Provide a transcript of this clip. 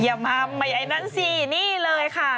อย่ามาใหม่ไอ้นั่นสินี่เลยค่ะ